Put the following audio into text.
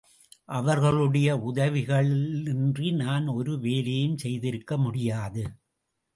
அவர்களுடைய உதவிகளின்றி நான் ஒரு வேலையும் செய்திருக்க முடியாது.